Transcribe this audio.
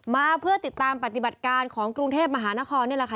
มาเพื่อติดตามปฏิบัติการของกรุงเทพมหานครนี่แหละค่ะ